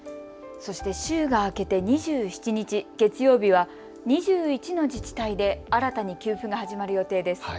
そして週が明けて２７日月曜日は２１の自治体で新たに給付が始まる予定です。